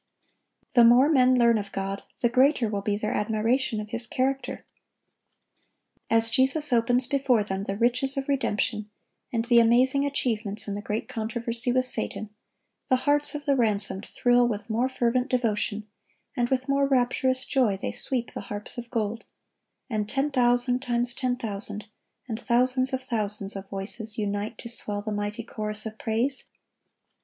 The more men learn of God, the greater will be their admiration of His character. As Jesus opens before them the riches of redemption, and the amazing achievements in the great controversy with Satan, the hearts of the ransomed thrill with more fervent devotion, and with more rapturous joy they sweep the harps of gold; and ten thousand times ten thousand and thousands of thousands of voices unite to swell the mighty chorus of praise.